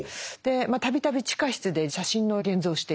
度々地下室で写真の現像をしている。